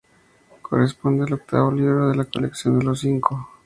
Corresponde al octavo libro de la colección de Los Cinco.